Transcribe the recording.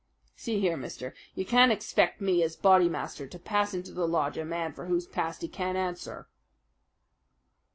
"See here, mister, you can't expect me, as Bodymaster, to pass into the lodge a man for whose past he can't answer."